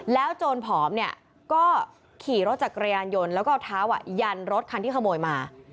โจรผอมเนี่ยก็ขี่รถจักรยานยนต์แล้วก็เอาเท้ายันรถคันที่ขโมยมา